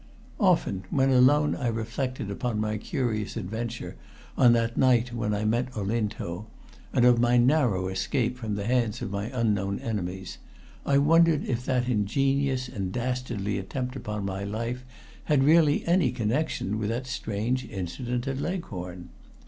Often when alone I reflected upon my curious adventure on that night when I met Olinto, and of my narrow escape from the hands of my unknown enemies. I wondered if that ingenious and dastardly attempt upon my life had really any connection with that strange incident at Leghorn.